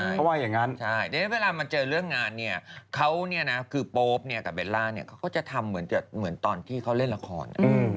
เพราะว่าอย่างนั้นเวลามันเจอเรื่องงานเนี่ยเขาเนี่ยนะคือโป๊ปกับเบลล่าเนี่ยเขาก็จะทำเหมือนตอนที่เขาเล่นละคร